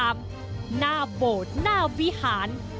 ตามหน้าโบดหน้าวิหาร